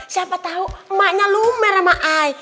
siapa tahu emaknya lumer sama ai